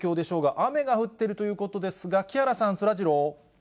雨が降っているということですが、木原さん、そらジロー。